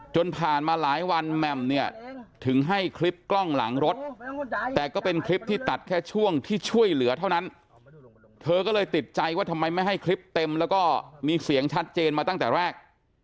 ผ่านมาหลายวันแหม่มเนี่ยถึงให้คลิปกล้องหลังรถแต่ก็เป็นคลิปที่ตัดแค่ช่วงที่ช่วยเหลือเท่านั้นเธอก็เลยติดใจว่าทำไมไม่ให้คลิปเต็มแล้วก็มีเสียงชัดเจนมาตั้งแต่แรก